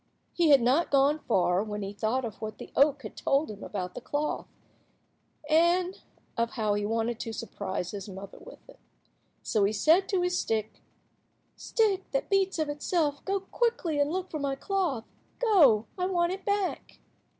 He had not gone far when he thought of what the oak had told him about the cloth, and of how he wanted to surprise his mother with it. So he said to his stick— "Stick, that beats of itself, go quickly and look for my cloth. Go, I want it back."